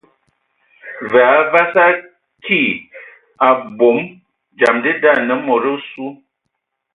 Və a vas, a ki ! Abom dzam dəda anə e mod osu.